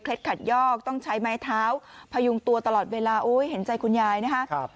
ขัดยอกต้องใช้ไม้เท้าพยุงตัวตลอดเวลาโอ้ยเห็นใจคุณยายนะครับ